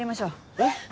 えっ。